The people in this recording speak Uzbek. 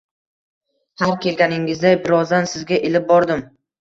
Har kelganingizda birozdan sizga ilib bordim.